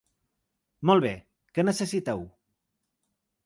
Molt bé, què necessiteu?